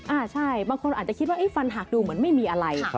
ใช่บางคนอาจจะคิดว่าฟันหักดูเหมือนไม่มีอะไร